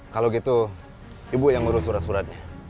kalau gitu ibu yang ngurus surat suratnya